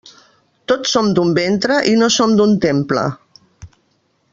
Tots som d'un ventre i no som d'un «temple».